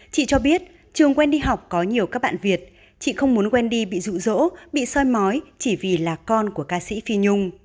chị cho biết trường wendy học có nhiều các bạn việt chị không muốn wendy bị rụ rỗ bị soi mói chỉ vì là con của ca sĩ phi nhung